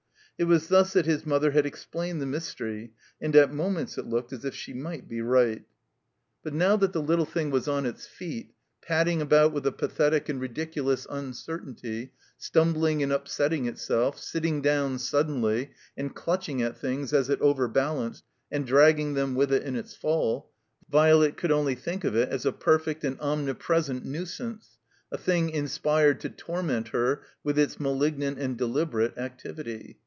It was thus that his mother had explained the mystery, and at moments it looked as if she might be right. 20I THE COMBINED MAZE But now that the little thing was on its feet, pad ding about with a pathetic and ridiculous uncer tainty, stumbling and upsetting itself, sitting down suddenly, and clutching at things as it overbalanced, and dragging them with it in its fall, Violet could only think of it as a perfect and omnipresent nui sance, a thing inspired to torment her with its malignant and deliberate activity.